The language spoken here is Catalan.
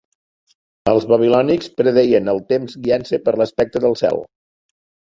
Els babilònics predeien el temps guiant-se per l'aspecte del cel.